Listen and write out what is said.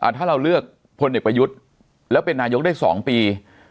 ถ้าเราเลือกพลเอกประยุทธ์แล้วเป็นนายกได้๒ปี